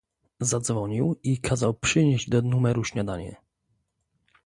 "Zadzwonił i kazał przynieść do numeru śniadanie."